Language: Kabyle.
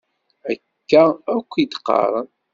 Akka akk i d-qqaren.